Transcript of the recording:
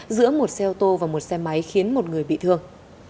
giữa một xe ô tô và một xe máy khiến một người bị thương